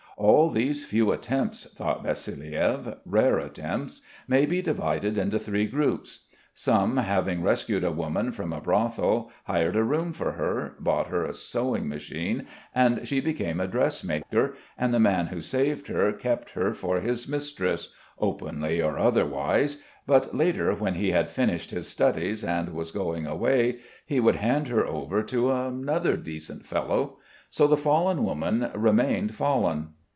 All these few attempts, thought Vassiliev, rare attempts, may be divided into three groups. Some having rescued a woman from a brothel hired a room for her, bought her a sewing machine and she became a dressmaker, and the man who saved her kept her for his mistress, openly or otherwise, but later when he had finished his studies and was going away, he would hand her over to another decent fellow. So the fallen woman remained fallen.